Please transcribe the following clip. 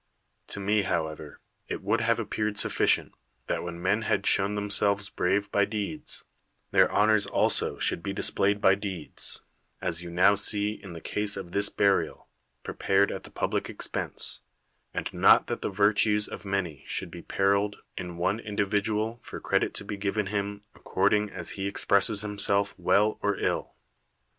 To me, however, it would have appeared sufficient, that when men had shown themselves brave by deeds, their honors also should be displayed by deeds^as you now see in the case of this burial, prepared at the public expense — and not that the virtues of many should be periled in one individual for credit to be given him according as he expresses himself well or ill.